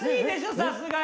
さすがに。